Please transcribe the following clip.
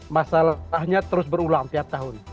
masalahnya terus berulang tiap tahun